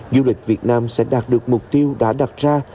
du lịch việt nam sẽ đạt được mục tiêu đã đặt ra